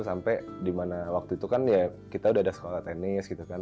sampai dimana waktu itu kan ya kita udah ada sekolah tenis gitu kan